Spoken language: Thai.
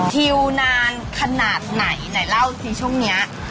ทิวนานขนาดไหนไหนเล่าสิช่วงนี้